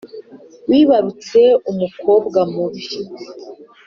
wibarutse umukobwa mubi